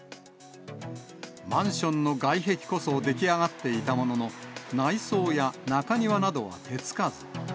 マンションの外壁こそ出来上がっていたものの、内装や中庭などは手つかず。